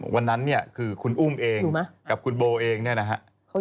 วันนั้นเนี่ยคือคุณอุ้มเองกับคุณโบเองเนี่ยนะฮะ